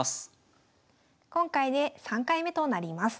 今回で３回目となります。